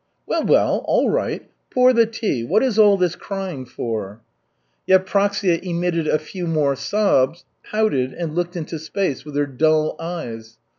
"Well, well. All right. Pour the tea. What is all this crying for?" Yevpraksia emitted a few more sobs, pouted and looked into space with her dull eyes.